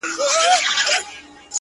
چي ورته سر ټيټ كړمه . وژاړمه.